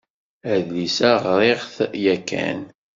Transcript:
Adlis-a ɣṛiɣ-t yakan.